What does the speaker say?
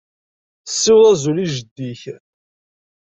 Ssiweḍ azul i jeddi-k.